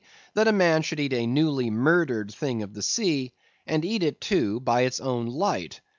_ that a man should eat a newly murdered thing of the sea, and eat it too by its own light.